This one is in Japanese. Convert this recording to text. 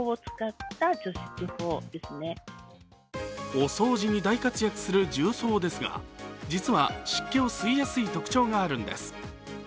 お掃除に大活躍する重曹ですが実は湿気を吸いやすい特徴があるんです。